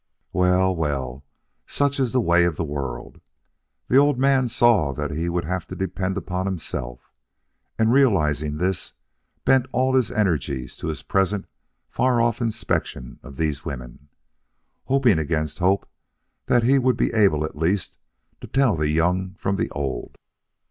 Well, well, such is the way of the world! The old man saw that he would have to depend upon himself, and realizing this, bent all his energies to his present far off inspection of these women, hoping against hope that he would be able at least to tell the young from the old.